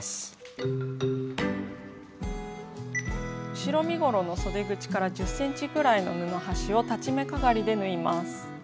後ろ身ごろのそで口から１０ｃｍぐらいの布端を裁ち目かがりで縫います。